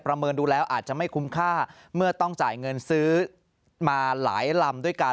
เมินดูแล้วอาจจะไม่คุ้มค่าเมื่อต้องจ่ายเงินซื้อมาหลายลำด้วยกัน